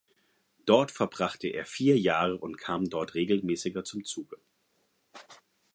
Dort verbrachte er vier Jahre und kam dort regelmäßiger zum Zuge.